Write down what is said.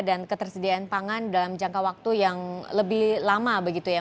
dan ketersediaan pangan dalam jangka waktu yang lebih lama begitu ya